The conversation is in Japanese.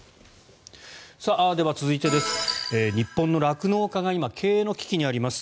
では、続いて日本の酪農家が今、経営の危機にあります。